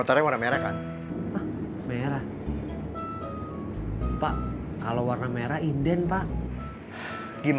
abang mau teh apa kopi